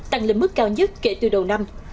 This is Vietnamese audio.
tăng lên mức cao nhất kể từ đầu năm